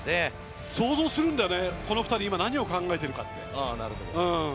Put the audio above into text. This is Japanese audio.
想像するんだよね、この２人何を考えているのかって。